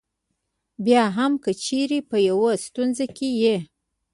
بیا هم که چېرې په یوې ستونزه کې یې.